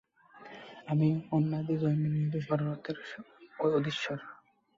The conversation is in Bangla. আমি অনাদি জন্মরহিত সর্বভূতের অধীশ্বর।